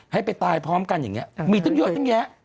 ให้ไปตายพร้อมกันอย่างนี้มีตั้งเยอะตั้งแยะ